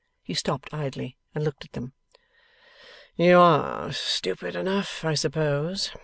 He stopped idly, and looked at them. 'You are stupid enough, I suppose.